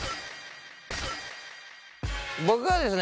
僕はですね